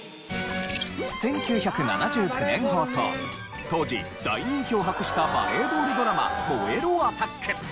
１９７９年放送当時大人気を博したバレーボールドラマ『燃えろアタック』。